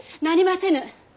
なりませぬ。